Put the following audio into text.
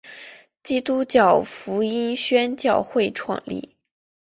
基督教福音宣教会创立。